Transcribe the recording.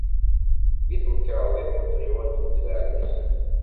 Deg temkarḍit n tɣiwant n Draɛ Lmizan.